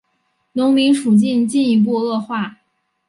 农民处境进一步恶化。